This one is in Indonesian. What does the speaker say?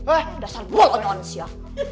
eh dasar buah lo ansya